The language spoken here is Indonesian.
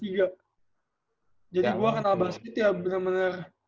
jadi gue kenal basket ya bener bener